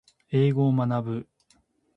英語を学ぶ